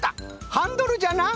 ハンドルじゃな。